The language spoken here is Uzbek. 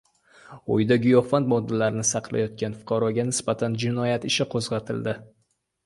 Uyida giyohvand moddalarni saqlayotgan fuqaroga nisbatan jinoyat ishi qo‘zg‘atildi